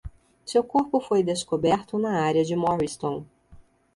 Seu corpo foi descoberto na área de Morriston.